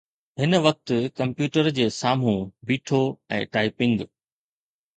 هن وقت ڪمپيوٽر جي سامهون بيٺو ۽ ٽائپنگ.